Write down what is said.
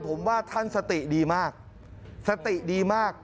ผมว่าท่านสติดีมาก